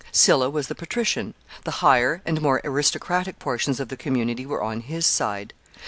Sylla was the patrician; the higher and more aristocratic portions of the community were on his side.